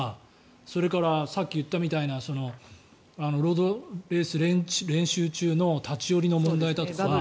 それから、さっき言ったみたいなロードレース練習中の立ち寄りの問題だとか。